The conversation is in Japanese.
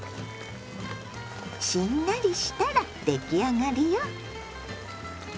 しんなりしたら出来上がりよ。